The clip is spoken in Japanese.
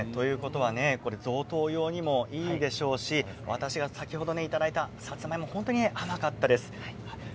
贈答用にもいいでしょうし私が先ほどいただいたさつまいも本当に甘かったです。